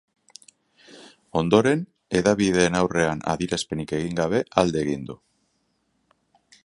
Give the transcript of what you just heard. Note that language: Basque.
Ondoren, hedabideen aurrean adierazpenik egin gabe alde egin du.